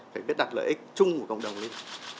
phải đặt lợi ích chung của cộng đồng lên